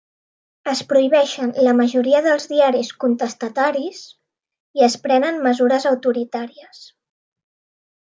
Es prohibeixen la majoria dels diaris contestataris i es prenen mesures autoritàries.